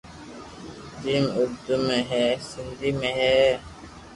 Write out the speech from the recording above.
جيم اردو ۾ ھي سندھي ۾ ھي